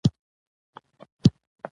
ښځه: هغه ملا صیب چې زموږ نکاح یې راتړلې وه